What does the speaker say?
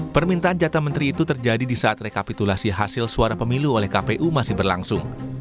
permintaan jatah menteri itu terjadi di saat rekapitulasi hasil suara pemilu oleh kpu masih berlangsung